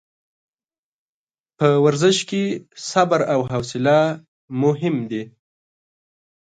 په ورزش کې صبر او حوصله مهم دي.